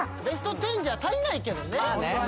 ベスト１０じゃ足りないけどね